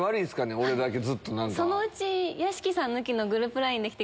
俺だけずっと。